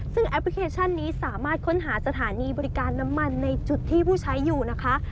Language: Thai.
ซึ่งแอปพลิเคชันนี้สามารถค้นหาสถานีบริการน้ำมันในจุดที่ผู้ใช้อยู่นะคะ